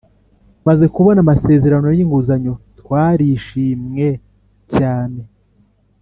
Tumaze kubona amasezerano y inguzanyo twarishimwe cyane